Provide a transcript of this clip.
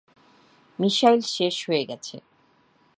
Missile শেষ হয়ে গেছে।